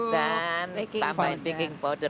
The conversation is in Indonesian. dan tambahin baking powder